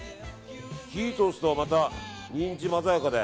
火を通すとまたニンジンも鮮やかで。